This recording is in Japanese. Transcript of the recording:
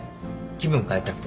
気分変えたくて。